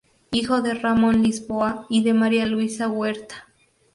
Hijo de Ramón Lisboa y de María Luisa Huerta.